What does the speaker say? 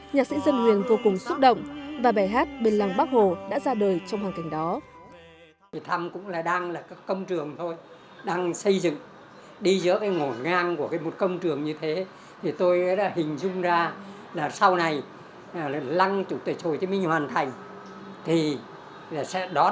nhạc sĩ dân huyền vô cùng xúc động và bài hát bên lăng bắc hồ đã ra đời trong hoàn cảnh đó